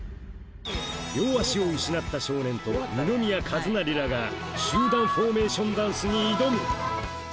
両足を失った少年と二宮和也らが集団フォーメーションダンスに挑むホントに。